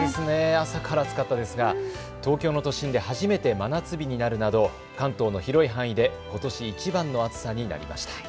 朝から暑かったですが東京の都心で初めて真夏日になるなど関東の広い範囲でことしいちばんの暑さになりました。